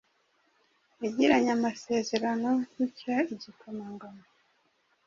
yagiranye amasezerano gutya igikomangoma